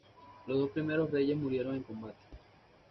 Los dos primeros reyes murieron en combate.